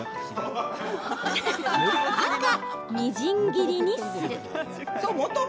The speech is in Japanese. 赤・みじん切りにする。